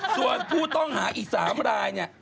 ส่วนผู้ต้องหาอีก๓รายเนี่ย